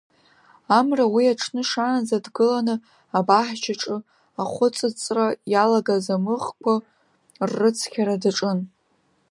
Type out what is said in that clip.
Амра уи аҽны шаанӡа дгыланы абаҳчаҿы ахәыҵыҵра иалагаз амыӷқәа ррыцқьара даҿын.